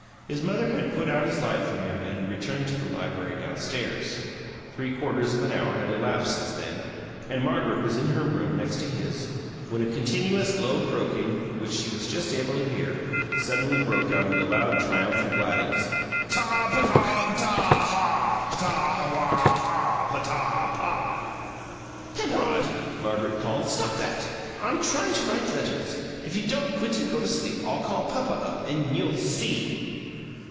His mother had put out his light for him and had returned to the library downstairs; three quarters of an hour had elapsed since then, and Margaret was in her room, next to his, when a continuous low croaking (which she was just able to hear) suddenly broke out into loud, triumphal blattings: "TAW, p'taw p'taw aw HAW! P'taw WAW aw! Aw PAW!" "Penrod," Margaret called, "stop that! I'm trying to write letters. If you don't quit and go to sleep, I'll call papa up, and you'll SEE!"